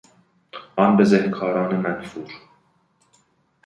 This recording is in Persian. آن بزهکاران منفور